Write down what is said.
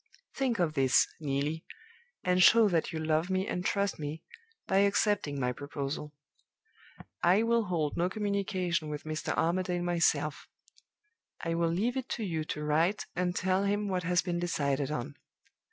Think of this, Neelie, and show that you love me and trust me, by accepting my proposal. I will hold no communication with Mr. Armadale myself. I will leave it to you to write and tell him what has been decided on.